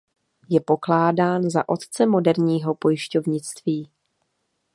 Je pokládán za "za otce moderního pojišťovnictví".